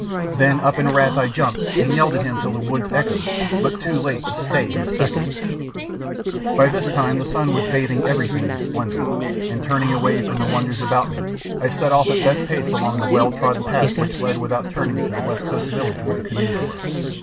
Then up in wrath I jumped and yelled at him till the woods echoed, but too late to stay his sacrilege. By this time the sun was bathing everything in splendour, and turning away from the wonders about me, I set off at best pace along the well trodden path which led without turning to the west coast village where the canoes were.